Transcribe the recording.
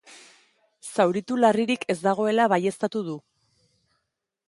Zauritu larririk ez dagoela baieztatu du.